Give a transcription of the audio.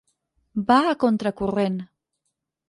Va a contra-corrent.